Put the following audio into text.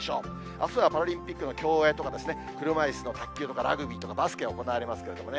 あすはパラリンピックの競泳とかですね、車いすの卓球とかラグビーとか、バスケが行われますけれどもね。